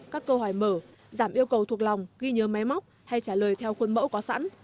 các câu hỏi mở giảm yêu cầu thuộc lòng ghi nhớ máy móc hay trả lời theo khuôn mẫu có sẵn